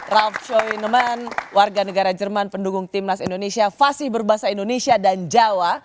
raff choi neman warga negara jerman pendukung timnas indonesia fasih berbahasa indonesia dan jawa